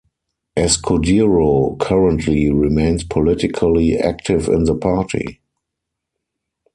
Escudero currently remains politically active in the party.